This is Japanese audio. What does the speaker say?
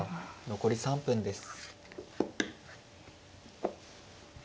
残り３分です。